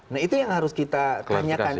nah itu yang harus kita tanyakan